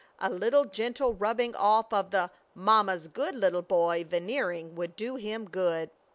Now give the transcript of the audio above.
A little gentle rubbing off of the "mamma's good little boy" veneering would do him good.